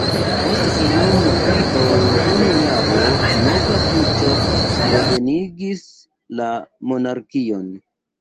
Post iom pli ol unu jaro nova puĉo revenigis la monarkion.